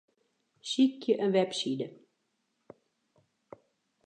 Sykje in webside.